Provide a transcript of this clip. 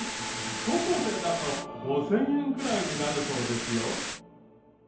高校生だと５０００円くらいになるそうですよ。